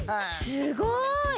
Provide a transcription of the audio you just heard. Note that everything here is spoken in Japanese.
すごい！